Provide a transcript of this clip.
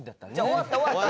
終わった終わった。